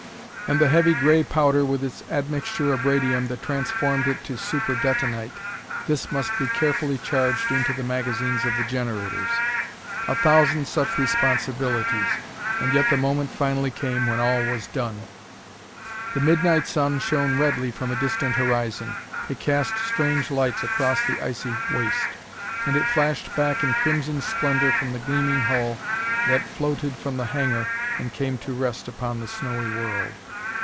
And the heavy, gray powder with its admixture of radium that transformed it to super detonite this must be carefully charged into the magazines of the generators. A thousand such responsibilities and yet the moment finally came when all was done. The midnight sun shone redly from a distant horizon. It cast strange lights across the icy waste. And it flashed back in crimson splendor from the gleaming hull that floated from the hangar and came to rest upon the snowy world.